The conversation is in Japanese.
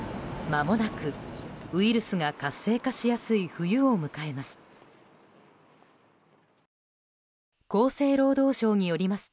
まもなくウイルスが活性化しやすい冬を迎えます。